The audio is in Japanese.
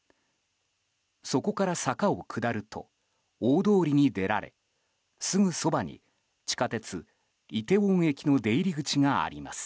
そこから坂を下ると大通りに出られすぐそばに地下鉄イテウォン駅の出入り口があります。